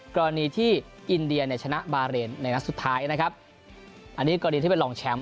กรณีที่อินเดียเนี่ยชนะบาเรนในนัดสุดท้ายนะครับอันนี้กรณีที่เป็นรองแชมป์